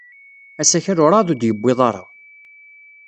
Asakal werɛad ur d-yewwiḍ ara.